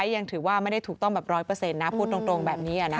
ยังถือว่าไม่ได้ถูกต้องแบบร้อยเปอร์เซ็นต์นะพูดตรงแบบนี้